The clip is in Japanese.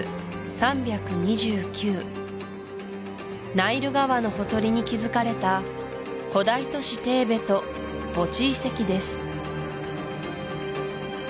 ナイル川のほとりに築かれた「古代都市テーベと墓地遺跡」です